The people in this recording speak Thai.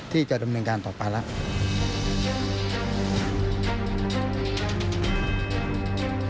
ที่จะดำเนินการต่อไปแล้ว